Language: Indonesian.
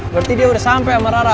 berarti dia udah sampe sama rara